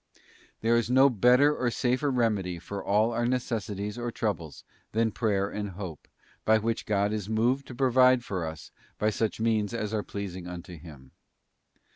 There is no better or safer remedy for all our necessities and troubles than prayer and hope, by which God is moved to provide for us by such means as are pleasing unto Him.